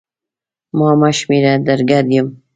ما مه شمېره در ګډ یم!